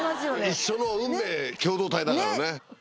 一緒の運命共同体だからね。